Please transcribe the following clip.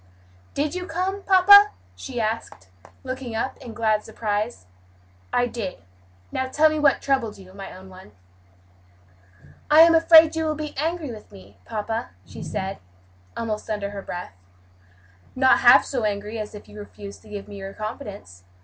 "Did you come, papa?" she asked, looking up in glad surprise. "I did. Now tell me what troubled you, my own one?" "I am afraid you will be angry with me, papa," she said, almost under her breath. "Not half so angry as if you refuse to give me your confidence.